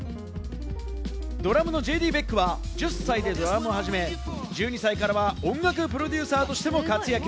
ドラムのＪＤ・ベックは、１０歳でドラムを始め、１２歳からは音楽プロデューサーとしても活躍。